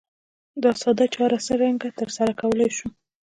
دا ساده چاره څرنګه ترسره کولای شو؟